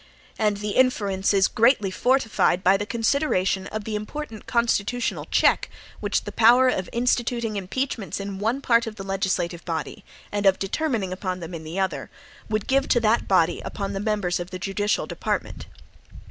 And the inference is greatly fortified by the consideration of the important constitutional check which the power of instituting impeachments in one part of the legislative body, and of determining upon them in the other, would give to that body upon the members of the judicial department.